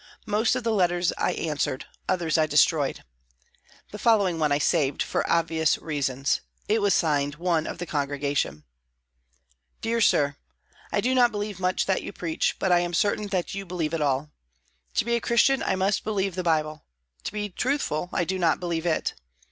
Most of the letters I answered, others I destroyed. The following one I saved, for obvious reasons. It was signed, "One of the Congregation": "Dear Sir, I do not believe much that you preach, but I am certain that you believe it all. To be a Christian I must believe the Bible. To be truthful, I do not believe it.